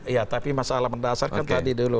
iya tapi masalah mendasarkan tadi dulu